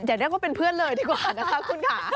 เรียกว่าเป็นเพื่อนเลยดีกว่านะคะคุณค่ะ